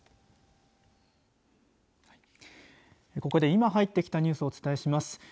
ここで今入ってきたニュースをお伝えします。